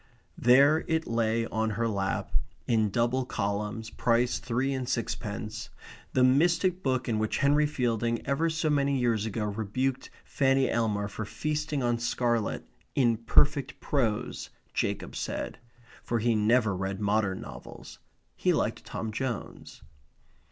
There it lay on her lap, in double columns, price three and sixpence; the mystic book in which Henry Fielding ever so many years ago rebuked Fanny Elmer for feasting on scarlet, in perfect prose, Jacob said. For he never read modern novels. He liked Tom Jones.